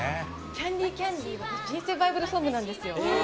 『キャンディキャンディ』は人生バイブルソングなんですよ。